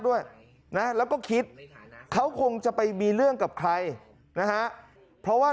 ด้วยนะแล้วก็คิดเขาคงจะไปมีเรื่องกับใครนะฮะเพราะว่า